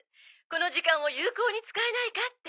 「この時間を有効に使えないかって」